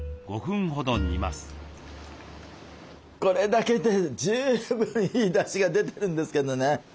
これだけで十分いいだしが出てるんですけどね